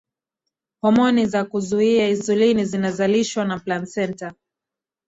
homoni za kuzuia insulini zinazalishwa na plasenta